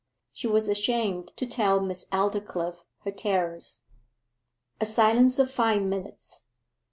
She was ashamed to tell Miss Aldclyffe her terrors. A silence of five minutes.